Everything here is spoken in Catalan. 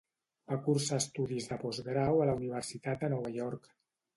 Va cursar estudis de postgrau a la Universitat de Nova York.